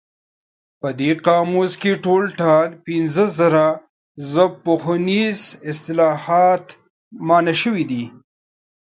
په دې قاموس کې ټول ټال پنځه زره ژبپوهنیز اصطلاحات مانا شوي دي.